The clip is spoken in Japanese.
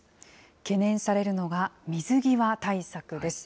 懸念されるのが水際対策です。